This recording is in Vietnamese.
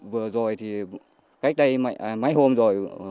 vừa rồi thì cách đây mấy hôm rồi